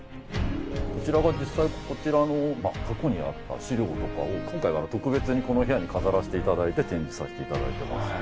こちらは実際こちらの過去にあった資料とかを今回は特別にこの部屋に飾らせていただいて展示させていただいてます。